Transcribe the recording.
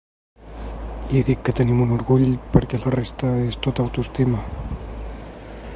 I dic que tenim un orgull perquè la resta és tot autoestima.